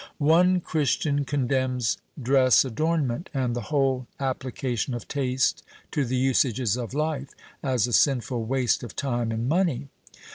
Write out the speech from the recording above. One Christian condemns dress adornment, and the whole application of taste to the usages of life, as a sinful waste of time and money.